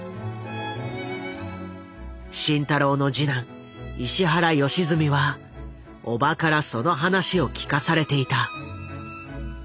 慎太郎の次男石原良純は叔母からその話を聞かされていた。